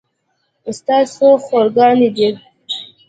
ستا څو خور ګانې دي